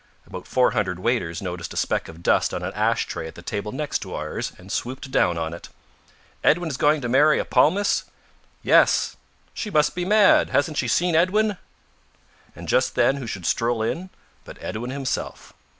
About four hundred waiters noticed a speck of dust on an ash tray at the table next to ours, and swooped down on it. "Edwin is going to marry a palmist?" "Yes." "She must be mad. Hasn't she seen Edwin?" And just then who should stroll in but Edwin himself.